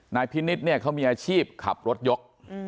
นายพินิษฐ์เนี่ยเขามีอาชีพขับรถยก